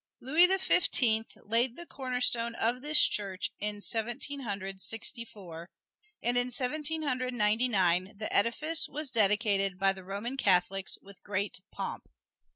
Louis the Fifteenth laid the cornerstone of this church in Seventeen Hundred Sixty four, and in Seventeen Hundred Ninety the edifice was dedicated by the Roman Catholics with great pomp.